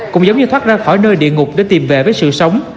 cũng giống như thoát ra khỏi nơi địa ngục để tìm về với sự sống